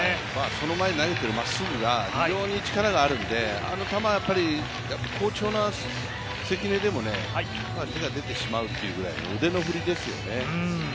その前に投げてるまっすぐが非常に力があるのであの球は、好調な関根でも手が出てしまうというぐらい腕の振りですよね。